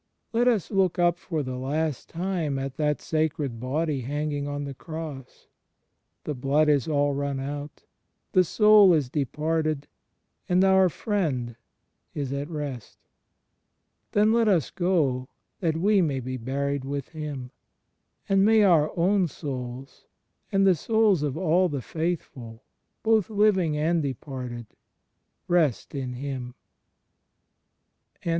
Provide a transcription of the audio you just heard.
Let us look up for the last time at that Sacred Body hanging on the Cross. The Blood is all run out, the Soul is departed, and oiu: Friend is at rest. Then let us go, that we may be buried with Him. And may our own souls, and the souls of all the faithful, both living and departed, rest in Him !* Heb.